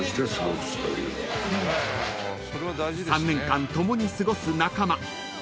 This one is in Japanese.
［３年間共に過ごす仲間］